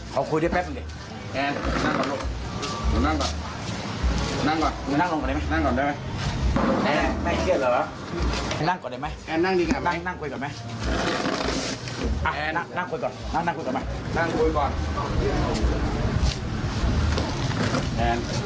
ขอคุยได้แป๊บหน่อยแอนหนูนั่งก่อนหนูนั่งก่อน